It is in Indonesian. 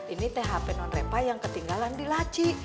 ini teh hp non repa yang ketinggalan di laci